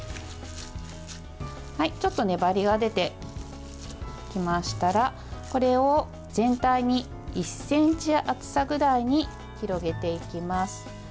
ちょっと粘りが出てきましたらこれを全体に１ｃｍ厚さぐらいに広げていきます。